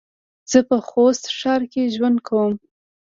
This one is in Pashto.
زه په خوست ښار کې ژوند کوم